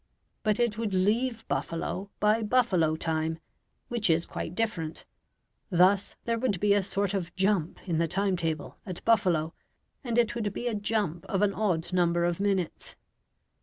But it would leave Buffalo by Buffalo time, which is quite different. Thus there would be a sort of jump in the time table at Buffalo, and it would be a jump of an odd number of minutes.